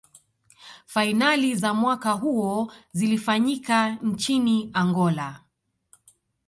fainali za mwaka huo zilifanyika nchini angola